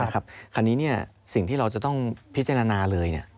คราวนี้สิ่งที่เราจะต้องพิจารณาเลย